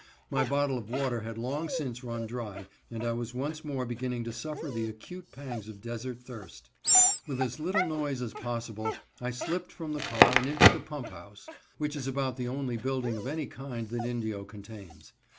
My bottle of water had long since run dry, and I was once more beginning to suffer the acute pangs of desert thirst. With as little noise as possible, I slipped from the car and into the pump house (which is about the only building of any kind that Indio contains).